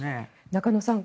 中野さん